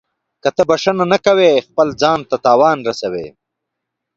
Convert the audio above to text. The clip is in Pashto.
• که ته بښنه نه کوې، خپل ځان ته تاوان رسوې.